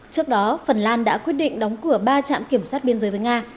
trước đó phần lan đã quyết định đóng cửa ba trạm kiểm soát biên giới với nga